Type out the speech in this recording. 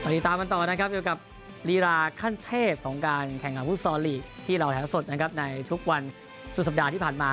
ติดตามกันต่อนะครับเกี่ยวกับลีลาขั้นเทพของการแข่งขันฟุตซอลลีกที่เราถ่ายสดนะครับในทุกวันสุดสัปดาห์ที่ผ่านมา